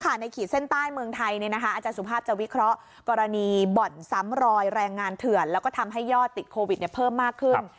ในขีดเส้นใต้เมืองไทยอาจารย์สุภาพจะวิเคราะห์กรณีบ่อนซ้ำรอยแรงงานเถื่อนแล้วก็ทำให้ยอดติดโควิดเพิ่มมากขึ้น